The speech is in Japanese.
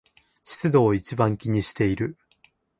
湿度を一番気にしている